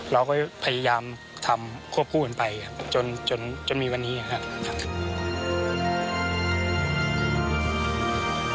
เราก็พยายามทำควบคู่กันไปครับจนมีวันนี้ครับ